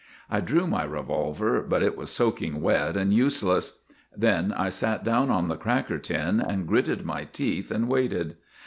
' I drew my revolver, but it was soaking wet and useless. Then I sat down on the cracker tin and gritted my teeth and waited.